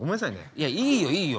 いやいいよいいよ。